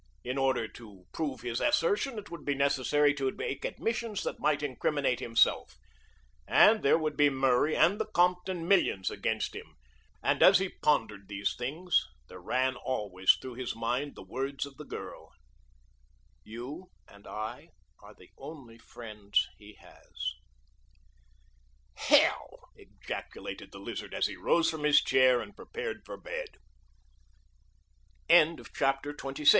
In order to prove his assertion it would be necessary to make admissions that might incriminate himself, and there would be Murray and the Compton millions against him; and as he pondered these things there ran always through his mind the words of the girl, "You and I are the only friends he has." "Hell," ejaculated the Lizard as he rose from his chair and prepared for bed. CHAPTER XXVII. THE TRIAL.